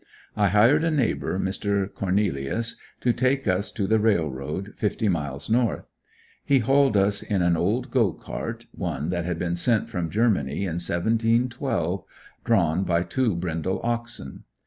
I hired a neighbor, Mr. Cornelious, to take us to the Railroad, fifty miles north. He hauled us in an old go cart one that had been sent from Germany in 1712 drawn by two brindle oxen.